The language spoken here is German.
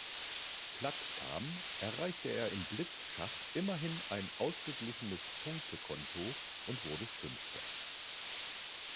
Platz kam, erreichte er im Blitzschach immerhin ein ausgeglichenes Punktekonto und wurde Fünfter.